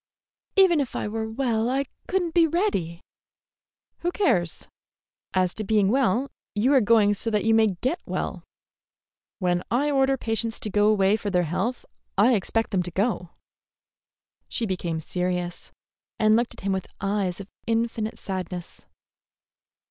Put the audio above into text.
"Even if I were well, I could n't be ready." "Who cares? As to being well, you are going so you may get well. When I order patients to go away for their health, I expect them to go." She became serious, and looked at him with eyes of infinite sadness.